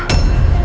nino jangan lupa